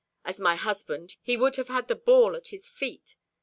As my husband he would have the ball at his feet.